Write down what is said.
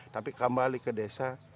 tapi kembali ke desa